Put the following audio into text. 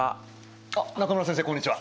あっ中村先生こんにちは。